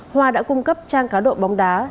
hoa đã cung cấp trang cá độ bóng đá